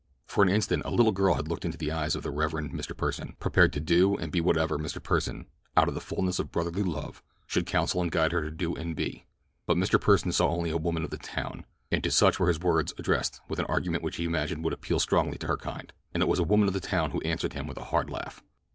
For an instant a little girl had looked into the eyes of the Rev. Mr. Pursen, prepared to do and be whatever Mr. Pursen, out of the fullness of brotherly love, should counsel and guide her to do and be; but Mr. Pursen saw only a woman of the town, and to such were his words addressed with an argument which he imagined would appeal strongly to her kind. And it was a woman of the town who answered him with a hard laugh.